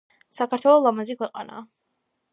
საქართველო ლამაზი ქვეყანა